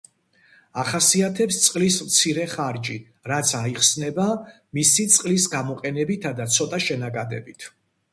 ახასიათებს წყლის მცირე ხარჯი, რაც აიხსნება მისი წყლის გამოყენებითა და ცოტა შენაკადებით.